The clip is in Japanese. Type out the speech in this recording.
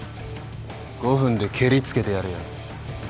５分でけりつけてやるよ。